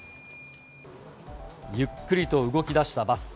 ゆっくりと動きだしたバス。